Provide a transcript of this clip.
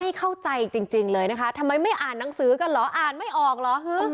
ไม่เข้าใจจริงเลยนะคะทำไมไม่อ่านหนังสือกันเหรออ่านไม่ออกเหรอฮือ